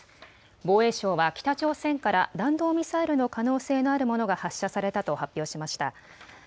防衛省は北朝鮮から弾道ミサイルの可能性のあるものが発射されたと発表しました。